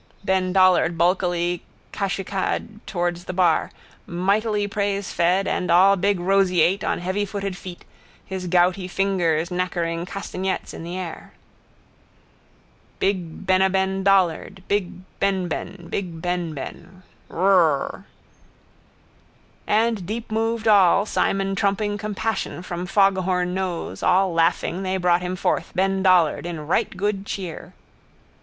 Ben Dollard bulkily cachuchad towards the bar, mightily praisefed and all big roseate, on heavyfooted feet, his gouty fingers nakkering castagnettes in the air. Big Benaben Dollard. Big Benben. Big Benben. Rrr. And deepmoved all, Simon trumping compassion from foghorn nose, all laughing they brought him forth, Ben Dollard, in right good cheer.